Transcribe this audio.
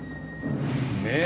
ねえ。